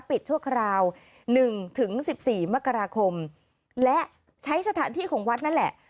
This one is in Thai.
ชั่วคราว๑ถึง๑๔มกราคมและใช้สถานที่ของวัดนั่นแหละ